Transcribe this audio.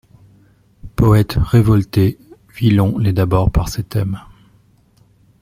Poète révolté, Villon l'est d'abord par ses thèmes.